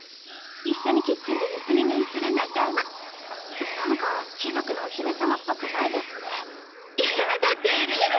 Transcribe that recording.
一緒にキッチンで盗み食いする仲間ななんか貴族のお姫様っやだてれる。